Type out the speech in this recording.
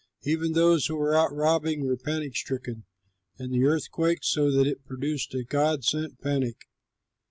Even those who were out robbing were panic stricken, and the earth quaked, so that it produced a God sent panic.